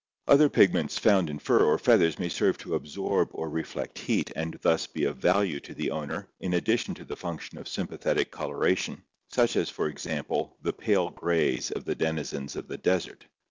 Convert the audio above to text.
Other pigments found in fur or feathers may serve to absorb or reflect heat and thus be of value to the owner in addition to the function of sympathetic coloration, such for example as the pale grays of the denizens of the desert.